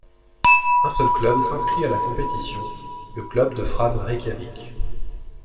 Un seul club s'inscrit à la compétition, le club de Fram Reykjavik.